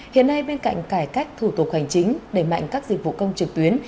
hiện nay bên cạnh cải cách thủ tục hành chính đẩy mạnh các dịch vụ công trực tuyến